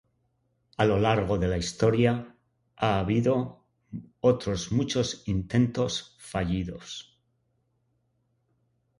A lo largo de la historia ha habido otros muchos intentos fallidos.